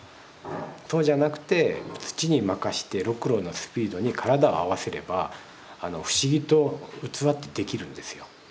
そうじゃなくて土に任してろくろのスピードに体を合わせれば不思議と器ってできるんですよ。